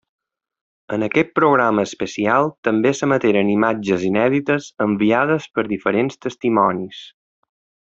En aquest programa especial també s'emeteren imatges inèdites enviades per diferents testimonis.